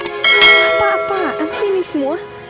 apa apaan sih ini semua